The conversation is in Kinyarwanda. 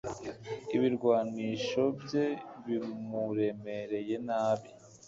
ibirwanisho bye bimuremereye nabi